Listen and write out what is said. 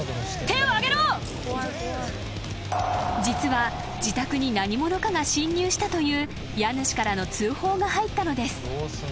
［実は自宅に何者かが侵入したという家主からの通報が入ったのです］